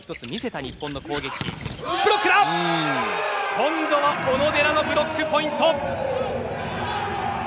今度は小野寺のブロックポイント。